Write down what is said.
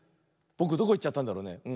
ぼくどこいっちゃったんだろうね。